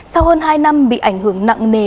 sau hơn hai năm bị ảnh hưởng nặng nề